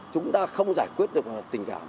chúng ta không giải quyết được tình cảm